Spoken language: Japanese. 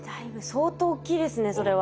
相当大きいですねそれは。